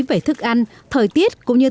về thức ăn thời tiết cũng như